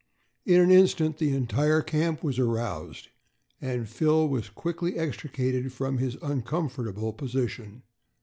In an instant the entire camp was aroused and Phil was quickly extricated from his uncomfortable position.